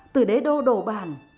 từ đế đô đồ bàn